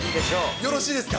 よろしいですか？